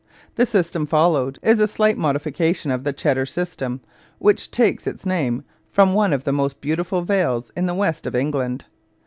The system followed is a slight modification of the Cheddar system, which takes its name from one of the most beautiful vales in the west of England.